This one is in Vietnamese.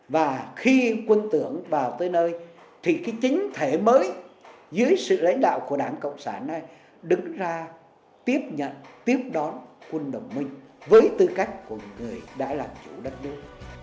và khi quân tưởng vào tới nơi thì cái chính thể mới dưới sự lãnh đạo của đảng cộng sản này đứng ra tiếp nhận tiếp đón quân đồng minh với tư cách của người đã làm chủ đất nước